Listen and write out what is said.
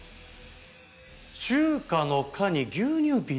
中華の「華」に牛乳瓶の「瓶」。